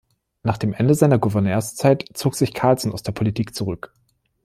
Nach dem Ende seiner Gouverneurszeit zog sich Carlson aus der Politik zurück.